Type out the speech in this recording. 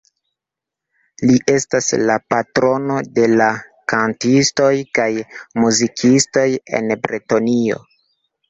Li estas la patrono de la kantistoj kaj muzikistoj en Bretonio.